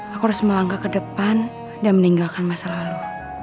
aku harus melangkah ke depan dan meninggalkan masa lalu